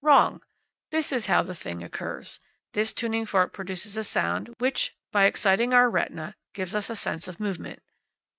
Wrong! This is how the thing occurs. This tuning fork produces a sound which, by exciting our retina, gives us a sense of movement.